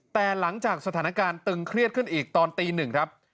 แต่หลังจากสถานการณ์ตึงเครียดขึ้นอีกตอนตีหนึ่งครับ